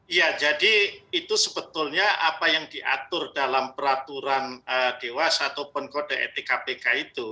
iya jadi itu sebetulnya apa yang diatur dalam peraturan dewas ataupun kode etik kpk itu